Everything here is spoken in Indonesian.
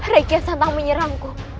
raikian santang menyerangku